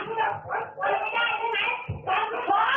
อย่าพาที่นั่นก่อน